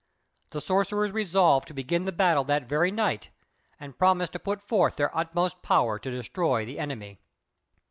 The sorcerers resolved to begin the battle the very next night, and promised to put forth their utmost power to destroy the enemy.